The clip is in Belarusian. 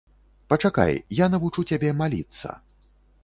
Пачакай, я навучу цябе маліцца.